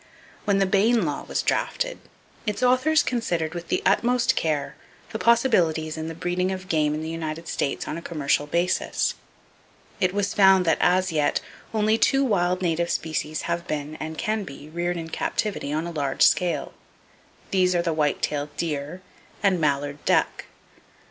When the Bayne law was drafted, its authors considered with the utmost care the possibilities in the breeding of game in the United States on a commercial basis. It was found that as yet only two wild native species have been, and can be, reared in captivity on a large scale. These are the white tailed deer and mallard duck.